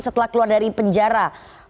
setelah keluar dari penjara